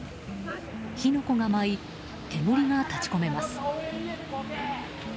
火の粉が舞い、煙が立ち込めます。